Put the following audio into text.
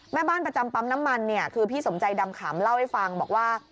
แม่บ้านประจำปั๊มน้ำมันเนี่ยคือพี่สมใจดำขำเล่าให้ฟังบอกว่า